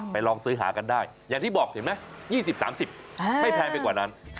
ลองซื้อหากันได้อย่างที่บอกเห็นไหม๒๐๓๐ไม่แพงไปกว่านั้น